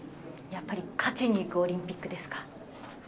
勝ちに行くオリンピックですか？